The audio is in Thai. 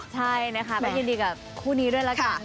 ใช่นะคะและยินดีครับคู่นี้ด้วยหรอกครับ